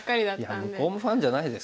いや向こうもファンじゃないですか？